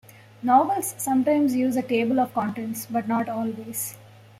Novels sometimes use a table of contents, but not always.